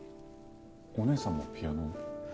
お姉さんもピアノを？